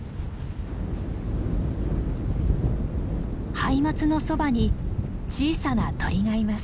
ハイマツのそばに小さな鳥がいます。